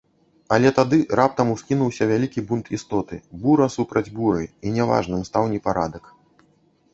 Але тады раптам ускінуўся вялікі бунт істоты, бура супроць буры, і няважным стаў непарадак.